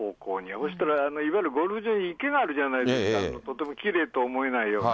そうしたらいわゆるゴルフ場に池があるじゃないですか、とてもきれいとは思えないような。